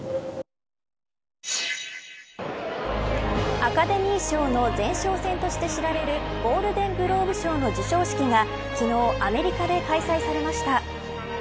アカデミー賞の前哨戦として知られるゴールデングローブ賞の授賞式が昨日アメリカで開催されました。